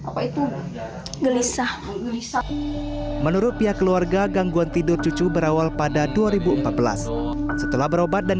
apa itu gelisah menurut pihak keluarga gangguan tidur cucu berawal pada dua ribu empat belas setelah berobat dan